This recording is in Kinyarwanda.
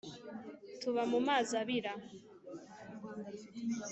tuba mu mazi abira